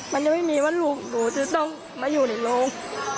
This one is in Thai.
มันยังไม่มีว่าลูกหนูจะต้องมาอยู่ในโรง